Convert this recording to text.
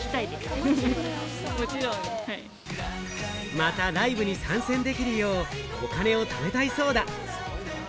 またライブに参戦できるよう、お金を貯めたいそうだ。